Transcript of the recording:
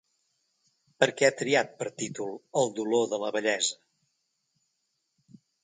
Per què ha triat per títol El dolor de la bellesa?